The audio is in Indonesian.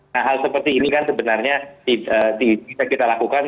nah hal seperti ini kan sebenarnya bisa kita lakukan